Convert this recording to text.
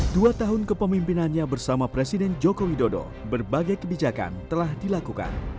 dua tahun kepemimpinannya bersama presiden joko widodo berbagai kebijakan telah dilakukan